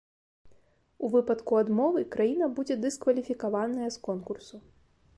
У выпадку адмовы краіна будзе дыскваліфікаваная з конкурсу.